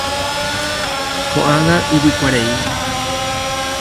Ko'ág̃a yvykuarei.